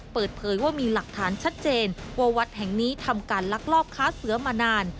เปิดเผยว่ามีหลักฐานชัดเจนว่าวัดแห่งนี้ทำการลักลอบค้าเสือมานาน